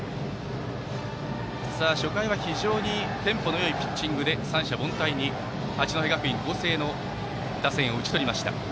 初回は非常にテンポのよいピッチングで三者凡退に八戸学院光星の打線を打ち取りました。